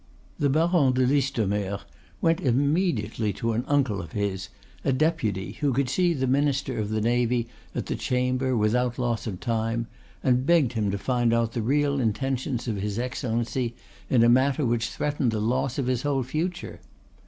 The Baron de Listomere went immediately to an uncle of his, a deputy, who could see the minister of the Navy at the chamber without loss of time, and begged him to find out the real intentions of his Excellency in a matter which threatened the loss of his whole future.